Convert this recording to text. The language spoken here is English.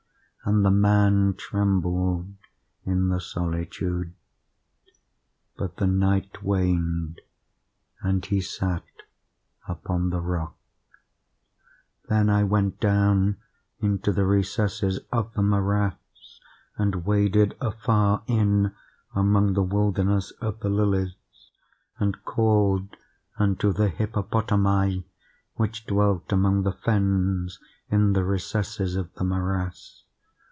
And the man trembled in the solitude;—but the night waned and he sat upon the rock. "Then I went down into the recesses of the morass, and waded afar in among the wilderness of the lilies, and called unto the hippopotami which dwelt among the fens in the recesses of the morass.